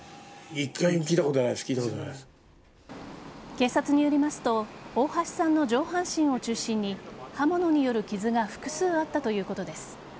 警察によりますと大橋さんの上半身を中心に刃物による傷が複数あったということです。